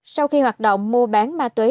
sau khi hoạt động mua bán ma túy